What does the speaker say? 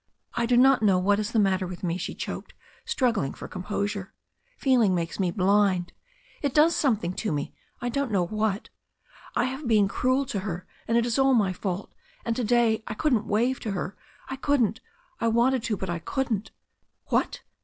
"I do not know what is the matter with me," she choked, struggling for composure. "Feeling makes' me blind. It does something to me — ^I don't know what. I have been cruel to her and it is all my fault. And to day I couldn't wave to her. I couldn't — I wanted to, but I couldn't " "What!"